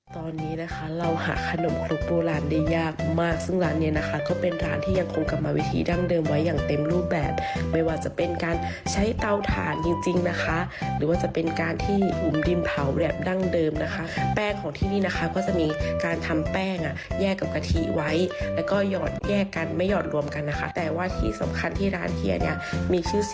ตอนนี้นะคะเราหาขนมคลุกโบราณได้ยากมากซึ่งร้านเนี้ยนะคะก็เป็นร้านที่ยังคงกลับมาวิถีดั้งเดิมไว้อย่างเต็มรูปแบบไม่ว่าจะเป็นการใช้เตาถ่านจริงจริงนะคะหรือว่าจะเป็นการที่อุ่มริมเผาแบบดั้งเดิมนะคะแป้งของที่นี่นะคะก็จะมีการทำแป้งอ่ะแยกกับกะทิไว้แล้วก็หยอดแยกกันไม่หอดรวมกันนะคะแต่ว่าที่สำคัญที่ร้านเฮียเนี่ยมีชื่อส